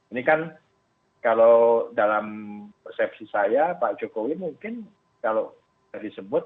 ini kan kalau dalam persepsi saya pak jokowi mungkin kalau disebut